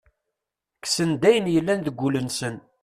Kksen-d ayen yellan deg ul-nsen.